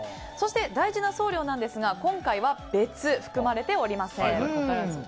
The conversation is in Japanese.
そして大事な送料なんですが今回は別、含まれておりません。